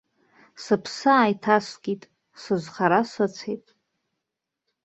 Сыԥсы ааиҭаскит, сызхара сыцәеит.